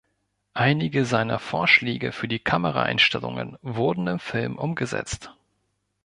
Einige seiner Vorschläge für die Kameraeinstellungen wurden im Film umgesetzt.